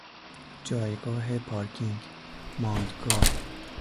جایگاه پارکینگ، ماندگاه